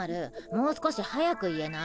もう少し速く言えない？